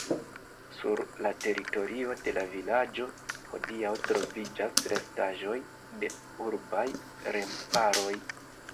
Sur la teritorio de la vilaĝo hodiaŭ troviĝas restaĵoj de urbaj remparoj.